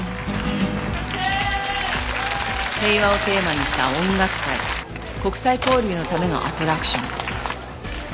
平和をテーマにした音楽会国際交流のためのアトラクション。